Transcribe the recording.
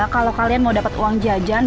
kalau kalian mau dapat uang jajan